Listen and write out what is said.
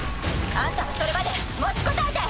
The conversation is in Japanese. あんたはそれまで持ちこたえて！